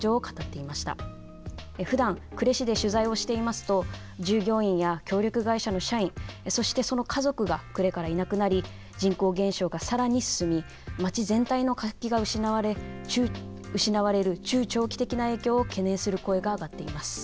ふだん呉市で取材をしていますと従業員や協力会社の社員そしてその家族が呉からいなくなり人口減少が更に進み街全体の活気が失われる中長期的な影響を懸念する声が上がっています。